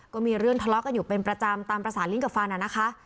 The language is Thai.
ก็มีเรื่องทะเลาะกันอยู่เป็นประจำตามภาษาลิ้นกับฟันนะคะ